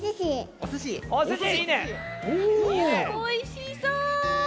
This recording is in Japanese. おいしそう。